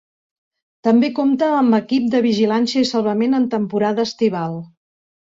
També compta amb equip de vigilància i salvament en temporada estival.